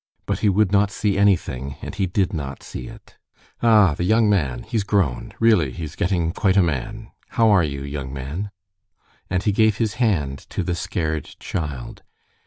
But he would not see anything, and he did not see it. "Ah, the young man! He's grown. Really, he's getting quite a man. How are you, young man?" And he gave his hand to the scared child.